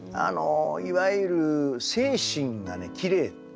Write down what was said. いわゆる精神がきれい。